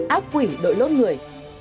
ác quỷ đội lốt người